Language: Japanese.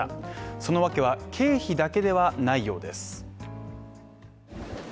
その訳は、経費だけではないようです。